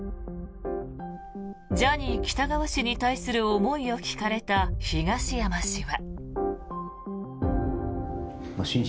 ジャニー喜多川氏に対する思いを聞かれた東山氏は。